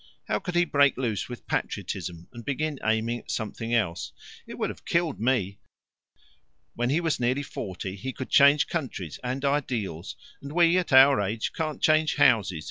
How could he break loose with Patriotism and begin aiming at something else? It would have killed me. When he was nearly forty he could change countries and ideals and we, at our age, can't change houses.